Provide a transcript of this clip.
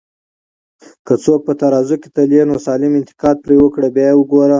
که څوک په ترازو کي تلې، نو سالم انتقاد پرې وکړه بیا وګوره